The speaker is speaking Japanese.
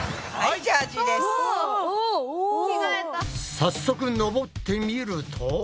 早速登ってみると。